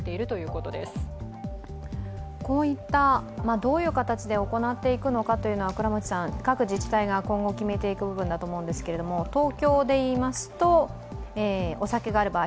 どういう形で行っていくのかというのは各自治体が今後、決めていく部分だと思うんですけど東京で言いますと、お酒がある場合